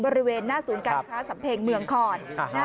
บริเวณหน้าศูนย์การค้าสำเพ็งเมืองคอน